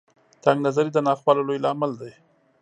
تنګ نظري د ناخوالو لوی لامل دی.